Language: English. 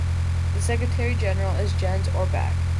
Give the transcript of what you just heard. The Secretary General is Jens Orback.